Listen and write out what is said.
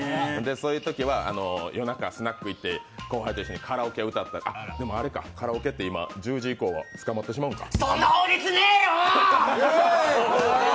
そういうときは夜中、スナック行って後輩と一緒にカラオケ行ってカラオケ歌ったり、でもあれか、カラオケって今、１０時以降は捕まってしまうのかそんな法律ねえよ！